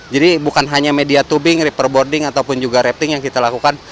jadi bukan hanya media tubing riverboarding ataupun juga rafting yang kita lakukan